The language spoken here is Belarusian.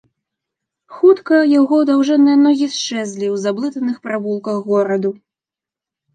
Хутка яго даўжэнныя ногі счэзлі ў заблытаных правулках гораду.